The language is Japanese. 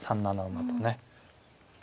３七馬とね。